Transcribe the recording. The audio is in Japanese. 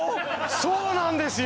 そうなんですよ！